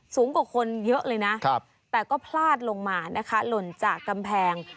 สูงกว่าคนเยอะเลยนะแต่ก็พลาดลงมานะคะหล่นจากกำแพง